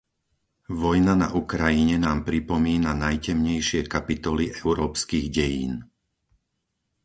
Vojna na Ukrajine nám pripomína najtemnejšie kapitoly európskych dejín.